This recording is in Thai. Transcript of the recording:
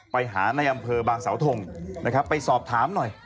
ไปหาในอำเภอบางสาวธงไปสอบถามหน่อย